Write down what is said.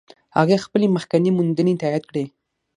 هغې خپلې مخکینۍ موندنې تایید کړې.